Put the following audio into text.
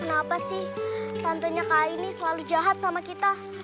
kenapa sih tantonya kak aini selalu jahat sama kita